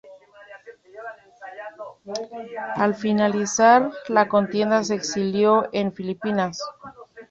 Al finalizar la contienda se exilió en Filipinas.